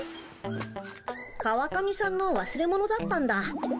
川上さんのわすれ物だったんだ。